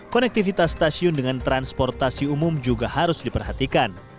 konektivitas stasiun dengan transportasi umum juga harus diperhatikan